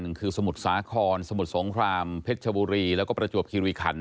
นึงคือสมุทรสาหคอนสมุทรสงครามเพชรชบุรีแล้วก็ประจวกคียุคัณ